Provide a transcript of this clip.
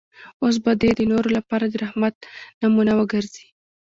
اوس به دی د نورو لپاره د رحمت نمونه وګرځي.